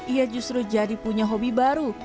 ia justru jadi punya hobi baru